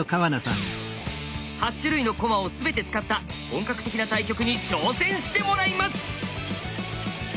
８種類の駒を全て使った本格的な対局に挑戦してもらいます！